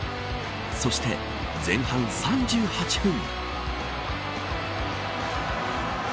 そして前半３８分。